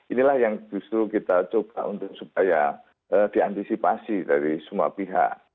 inilah yang justru kita coba untuk supaya diantisipasi dari semua pihak